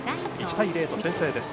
１対０と先制です。